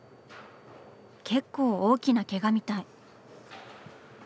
結構大きなケガみたい。